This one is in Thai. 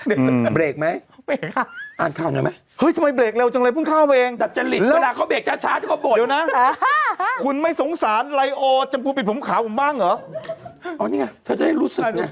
อืมเบรกไหมเบรกครับอ่านข้าวหน่อยไหมเฮ้ยทำไมเบรกเร็วจังเลยเพิ่งข้าวเองแต่จะหลีกเวลาเขาเบรกช้าเดี๋ยวนะคุณไม่สงสารไลโอจำปูปิดผมขาวผมบ้างเหรอเอานี่ไงเธอจะให้รู้สึก